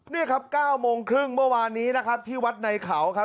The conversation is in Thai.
นี่ครับ๙โมงครึ่งเมื่อวานนี้นะครับที่วัดในเขาครับ